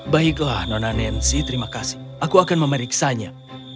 baiklah nona nancy terima kasih aku akan memeriksanya